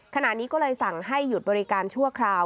ขณะนี้ก็เลยสั่งให้หยุดบริการชั่วคราว